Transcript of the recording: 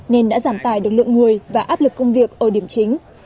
nên đã giảm tài được lượng người và áp lực công việc ở điểm chính